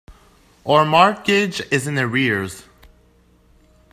Our mortgage is in arrears.